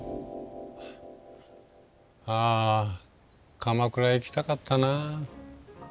ああ鎌倉行きたかったなぁ。